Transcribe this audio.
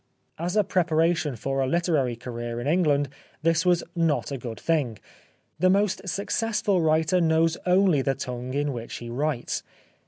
As a preparation for a 93 The Life of Oscar Wilde literary career in England this was not a good thing. The most successful writer knows only the tongue in which he writes.